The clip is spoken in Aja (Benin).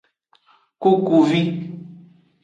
Kukuvi.